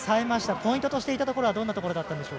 ポイントとしていたところはどんなところだったでしょう？